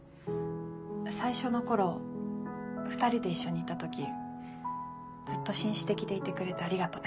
最初の頃２人で一緒にいた時ずっと紳士的でいてくれてありがとね。